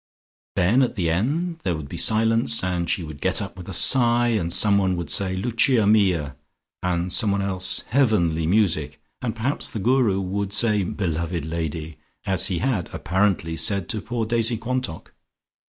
Then at the end there would be silence, and she would get up with a sigh, and someone would say "Lucia mia"! and somebody else "Heavenly Music," and perhaps the Guru would say "Beloved lady," as he had apparently said to poor Daisy Quantock.